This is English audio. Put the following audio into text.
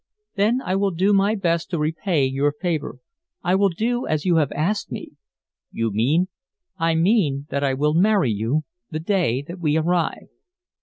"Then I will do my best to repay your favor. I will do as you have asked me." "You mean " "I mean that I will marry you the day that we arrive."